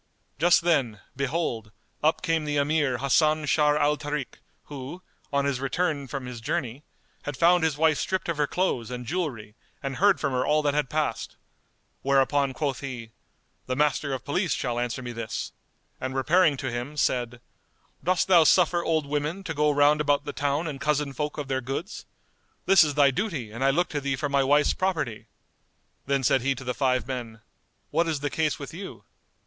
Just then, behold, up came the Emir Hasan Sharr al Tarik who, on his return from his journey, had found his wife stripped of her clothes and jewellery and heard from her all that had passed; whereupon quoth he, "The Master of Police shall answer me this" and repairing to him, said, "Dost thou suffer old women to go round about the town and cozen folk of their goods? This is thy duty and I look to thee for my wife's property." Then said he to the five men, "What is the case with you?"